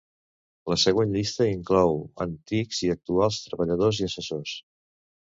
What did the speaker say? La següent llista inclou antics i actuals treballadors i assessors.